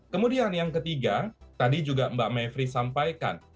kemudian yang ketiga tadi juga mbak mevri sampaikan